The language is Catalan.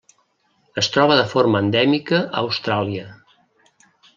Es troba de forma endèmica a Austràlia.